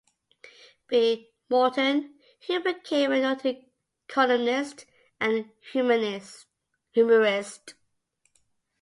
B. Morton, who became a noted columnist and humourist.